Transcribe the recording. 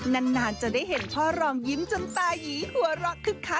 นานจะได้เห็นพ่อรองยิ้มจนตายีหัวเราะคึกคัก